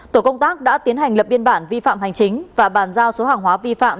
tổ công tác đã tiến hành lập biên bản vi phạm hành chính và bàn giao số hàng hóa vi phạm